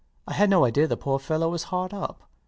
I had no idea the poor fellow was hard up.